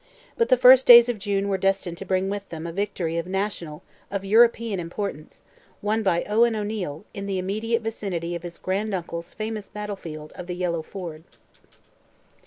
But the first days of June were destined to bring with them a victory of national—of European importance—won by Owen O'Neil, in the immediate vicinity of his grand uncle's famous battle field of the Yellow Ford.